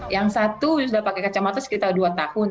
yang satu sudah pakai kacamata sekitar dua tahun